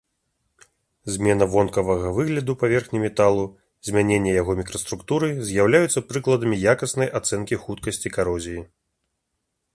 Змена вонкавага выгляду паверхні металу, змяненне яго мікраструктуры з'яўляюцца прыкладамі якаснай ацэнкі хуткасці карозіі.